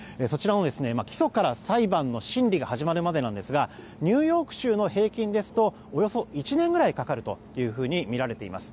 起訴から裁判の審理が始まるまでなんですがニューヨーク州の平均ですとおよそ１年くらいかかるとみられています。